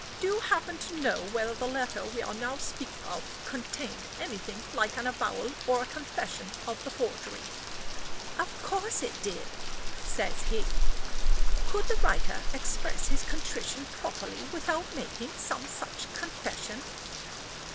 Do you happen to know whether the letter we are now speaking of contained anything like an avowal or confession of the forgery?" "Of course it did," says he. "Could the writer express his contrition properly without making some such confession?"